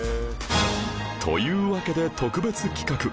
というわけで特別企画